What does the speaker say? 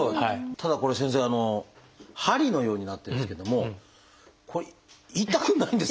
ただこれ先生針のようになってるんですけどもこれ痛くないんですか？